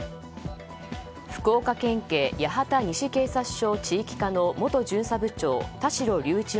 福岡県警八幡西警察署地域課の元巡査部長田代竜一